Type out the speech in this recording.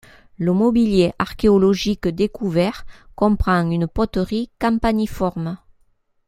Le mobilier archéologique découvert comprend une poterie campaniforme.